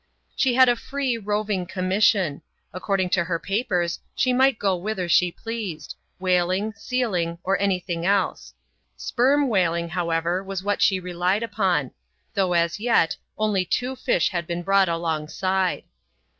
She had a free, roving commission. According to her papers she might go whither she pleased — whaling, sealing, or any thing else. Sperm whaling, however, was what she relied upon ; though, as yet, only two fish had been brought alongside.